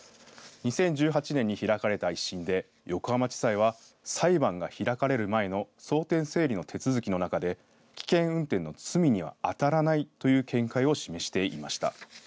２０１８年に開かれた１審で横浜地裁は裁判が開かれる前の裁判が開かれた争点整理の手続きの中で危険運転の罪にはあたらないという見解を示していました。